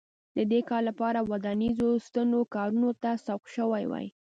د دې کار لپاره ودانیزو ستنو کارونو ته سوق شوي وای